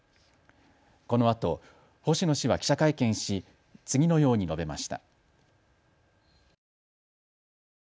このあと、星野氏は記者会見し次のように述べました。